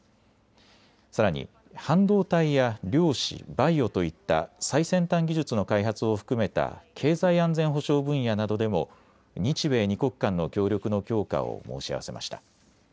さらに半導体や量子、バイオといった最先端技術の開発を含めた経済安全保障分野などでも日米２国間の協力の強化を申し合わせました。